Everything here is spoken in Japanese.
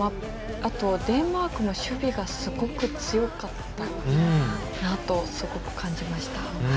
あとデンマークの守備がすごく強かったなと感じました。